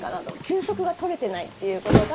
休息が取れてないということが